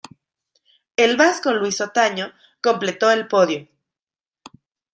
El vasco Luis Otaño completó el podio.